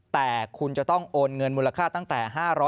แต่คุณจะต้องโอนเงินมูลค่าตั้งแต่๕๐๐